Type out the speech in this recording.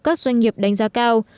các doanh nghiệp đánh giá cao